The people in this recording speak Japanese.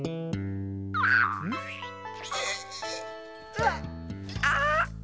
・うわっあ。